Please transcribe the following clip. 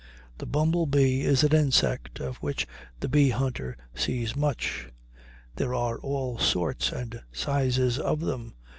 The bumblebee is an insect of which the bee hunter sees much. There are all sorts and sizes of them.